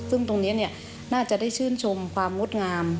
ซึ่งตรงนี้น่าจะได้ชื่นชมความงดงาม